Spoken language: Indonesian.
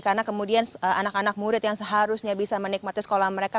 karena kemudian anak anak murid yang seharusnya bisa menikmati sekolah mereka